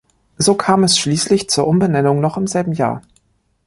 So kam es schließlich zur Umbenennung noch im selben Jahr.